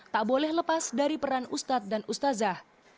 tak boleh lepas dari peran ustadz dan ustazah